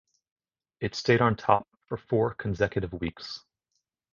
It stayed on top for four consecutive weeks.